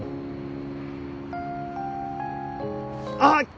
あっ！